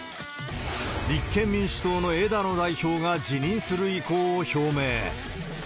立憲民主党の枝野代表が辞任する意向を表明。